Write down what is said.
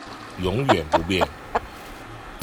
永遠不變